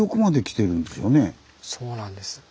そうなんです。